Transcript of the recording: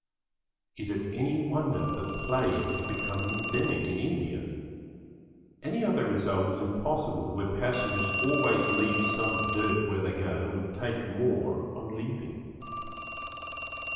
Is it any wonder that plague has become endemic in India? Any other result is impossible where passengers always leave some dirt where they go and take more on leaving.